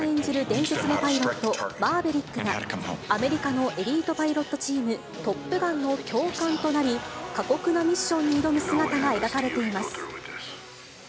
伝説のパイロット、マーヴェリックが、アメリカのエリートパイロットチーム、トップガンの教官となり、過酷なミッションに挑む姿が描かれています。